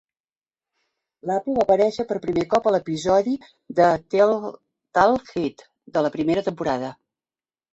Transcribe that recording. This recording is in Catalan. L'Apu va aparèixer per primer cop a l'episodi "The Telltale Head" de la primera temporada.